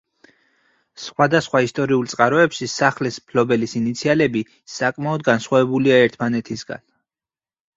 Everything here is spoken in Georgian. სხვადასხვა ისტორიულ წყაროებში სახლის მფლობელის ინიციალები საკმაოდ განსხვავებულია ერთმანეთისაგან.